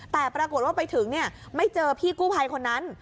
แต่ปรากฏว่าไปถึงไม่เจอพี่กู้ภัยคนนั้น